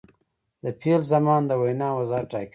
د فعل زمان د وینا وضاحت ټاکي.